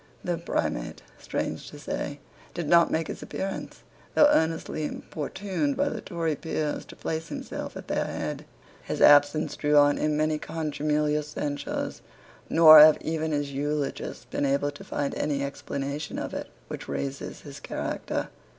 The Primate, strange to say, did not make his appearance, though earnestly importuned by the Tory peers to place himself at their head. His absence drew on him many contumelious censures; nor have even his eulogists been able to find any explanation of it which raises his character.